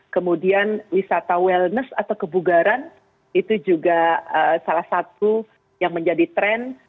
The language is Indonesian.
kemudian wisata wellness atau kebugaran itu juga salah satu yang menjadi tren